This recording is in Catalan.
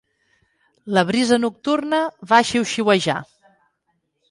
La brisa nocturna va xiuxiuejar.